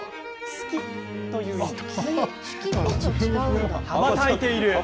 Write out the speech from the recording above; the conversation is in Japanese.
好きという意味。